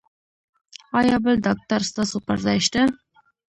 ایا بل ډاکټر ستاسو پر ځای شته؟